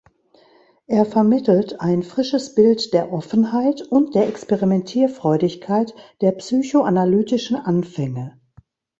Er vermittelt ein frisches Bild der Offenheit und der Experimentierfreudigkeit der psychoanalytischen Anfänge.